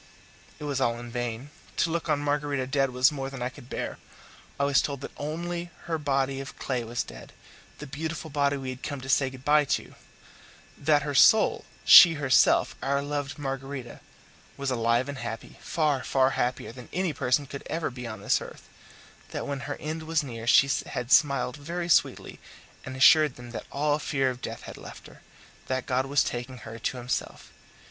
It was all in vain. To look on Margarita dead was more than I could bear. I was told that only her body of clay was dead the beautiful body we had come to say good bye to; that her soul she herself, our loved Margarita was alive and happy, far, far happier than any person could ever be on this earth; that when her end was near she had smiled very sweetly, and assured them that all fear of death had left her that God was taking her to Himself.